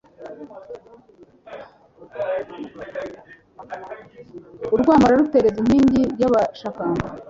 Urwamo ararutereza Inkingi y' Abashakamba